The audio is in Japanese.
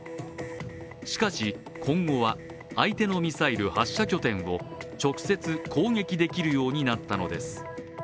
しかし、今後は相手のミサイル発射拠点を直接攻撃できるようになったのです。